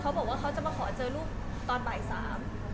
หรือว่าเขาจะมาขอเจอรูปตอนบ่ายสาม